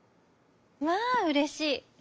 「まあうれしい。